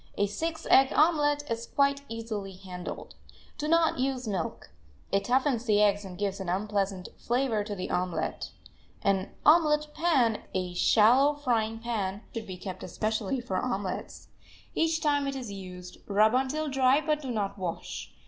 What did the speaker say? A six egg omelet is quite easily handled. Do not use milk; it toughens the eggs and gives an unpleasant flavor to the omelet. An "omelet pan," a shallow frying pan, should be kept especially for omelets. Each time it is used rub until dry, but do not wash.